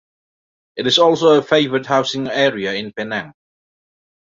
It is also a favored housing area in Penang.